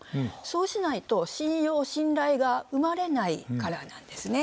そうしないと信用信頼が生まれないからなんですね。